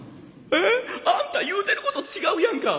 えっ！？あんた言うてること違うやんか。